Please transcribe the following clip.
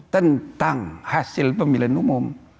tentang hasil pemilihan umum